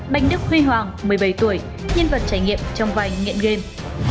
banh đức huy hoàng một mươi bảy tuổi nhân vật trải nghiệm trong vay nghiện game